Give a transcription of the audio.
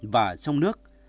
và trong nước